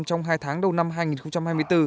trong hai tháng đầu năm hai nghìn hai mươi bốn